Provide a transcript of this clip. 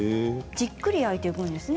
じっくり焼いていくんですね。